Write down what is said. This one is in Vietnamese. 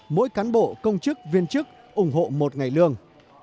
mỗi cán bộ công chức viên chức ủng hộ một ngày lương